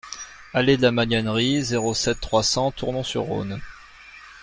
Allée de la Magnanerie, zéro sept, trois cents Tournon-sur-Rhône